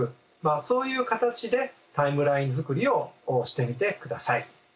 そういう形でタイムライン作りをしてみて下さい。